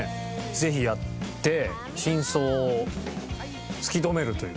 ぜひやって真相を突き止めるという。